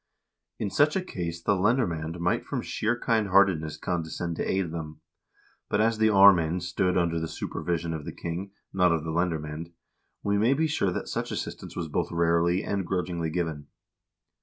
In such a case the lendermand might from sheer kind heartedness condescend to aid them ; but as the aarmamd stood under the super vision of the king, not of the lendermcend, we may be sure that such assistance was both rarely and grudgingly given.